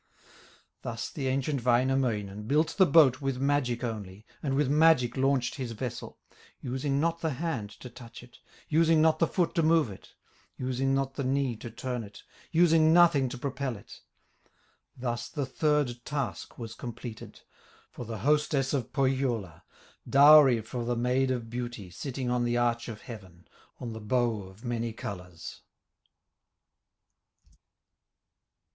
Thus the ancient Wainamoinen Built the boat with magic only, And with magic launched his vessel, Using not the hand to touch it, Using not the foot to move it, Using not the knee to turn it, Using nothing to propel it. Thus the third task was completed, For the hostess of Pohyola, Dowry for the Maid of Beauty Sitting on the arch of heaven, On the bow of many colors.